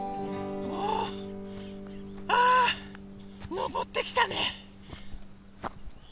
のぼってきたね。